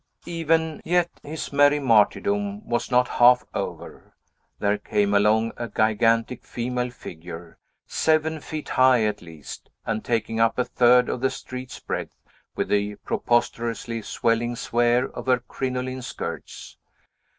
Even yet, his merry martyrdom was not half over. There came along a gigantic female figure, seven feet high, at least, and taking up a third of the street's breadth with the preposterously swelling sphere of her crinoline skirts.